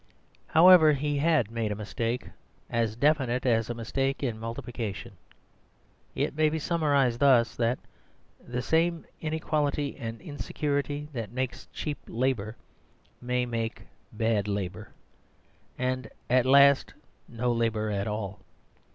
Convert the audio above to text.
However, he had made a mistake as definite as a mistake in multiplication. It may be summarised thus: that the same inequality and insecurity that makes cheap labour may make bad labour, and at last no labour at all.